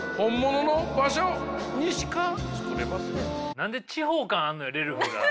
何で地方感あるのよレルフが。